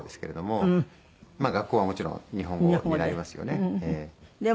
学校はもちろん日本語になりますよね。